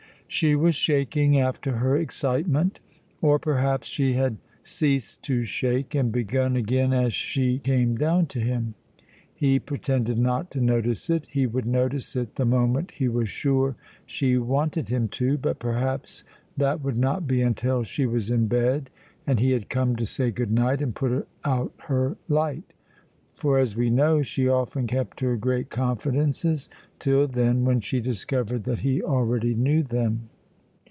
She was shaking after her excitement, or perhaps she had ceased to shake and begun again as she came down to him. He pretended not to notice it; he would notice it the moment he was sure she wanted him to, but perhaps that would not be until she was in bed and he had come to say good night and put out her light, for, as we know, she often kept her great confidences till then, when she discovered that he already knew them.